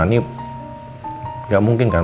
ini gak mungkin kan